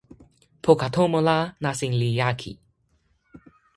poka tomo la nasin li jaki.